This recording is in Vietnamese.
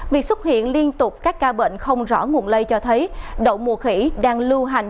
việc xuất hiện liên tục các ca bệnh không rõ nguồn lây cho thấy đậu mùa khỉ đang lưu hành